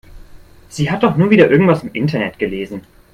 Sie hat doch nur wieder irgendwas im Internet gelesen.